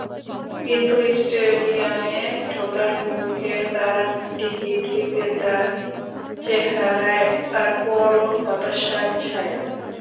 কিন্তু স্টেডিয়ামে ঢোকার মুখে দাঁড়ানো টিকিট বিক্রেতার চেহারায় তারপরও হতাশার ছায়া।